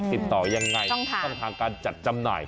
ติดต่อยังไงช่องทางการจัดจำหน่าย